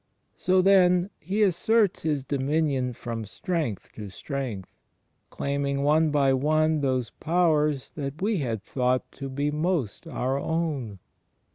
So, then. He asserts His dominion from strength to strength; claiming one by one those powers that we had thought to be most our own.